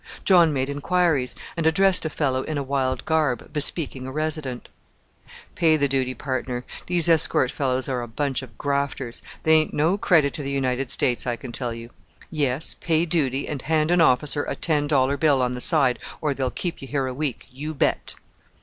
John made inquiries, and addressed a fellow in a wild garb, bespeaking a resident. "Pay the duty, partner! These escort fellows are a bunch of grafters! They ain't no credit to the United States, I can tell you. Yes, pay duty, and hand an officer a ten dollar bill on the side, or they'll keep you here a week, you bet!"